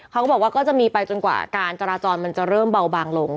เขาก็บอกว่าก็จะมีไปจนกว่าการจราจรมันจะเริ่มเบาบางลง